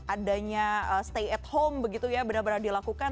adanya stay at home begitu ya benar benar dilakukan